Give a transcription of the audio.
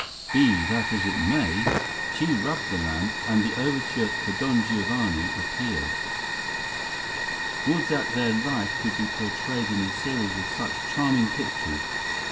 Be that as it may;—she rubbed the lamp, and the overture to "Don Giovanni" appeared. Would that their life could be portrayed in a series of such charming pictures!